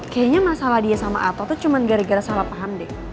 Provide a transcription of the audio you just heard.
kayaknya masalah dia sama ato itu cuma gara gara salah paham deh